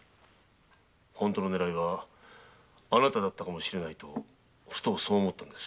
本当の狙いはあなただったかもしれぬとふとそう思ったのです。